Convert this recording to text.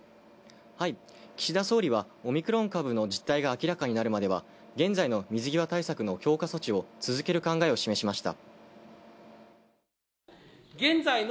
岸田総理はオミクロン株の実態が明らかになるまでは現在の水際対策の強化措置を続けることを表明しました。